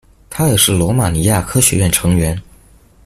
他也是罗马尼亚科学院成员。